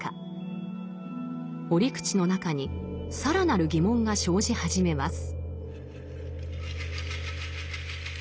折口の中に更なる疑問が生じ始めます。